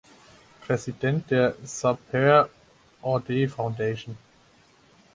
Präsident der Sapere Aude Foundation.